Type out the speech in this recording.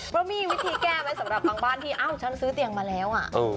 เพราะมีวิธีแก้ไหมสำหรับบางบ้านที่เอ้าฉันซื้อเตียงมาแล้ว